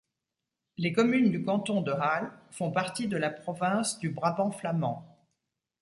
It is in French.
Les communes du canton de Hal font partie de la province du Brabant flamand.